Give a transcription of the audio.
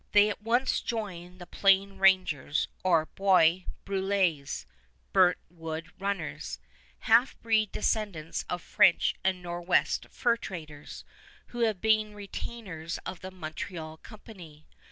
They at once join the Plain Rangers, or Bois Brulés (Burnt Wood Runners), half breed descendants of French and Nor'west fur traders, who have become retainers of the Montreal Company.